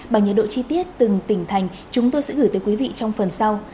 bằng nhiệt độ chi tiết từng tỉnh thành chúng tôi sẽ gửi tới quý vị trong phần sau